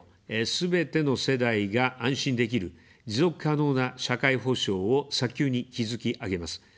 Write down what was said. すべての世代が安心できる、持続可能な社会保障を早急に築き上げます。